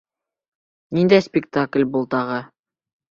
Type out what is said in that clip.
Ниндәй спектакль был тағы?